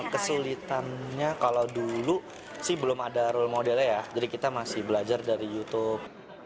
kesulitannya kalau dulu sih belum ada role modelnya ya jadi kita masih belajar dari youtube